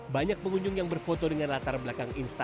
banyak pengunjung yang berfoto dengan latar belakang instagra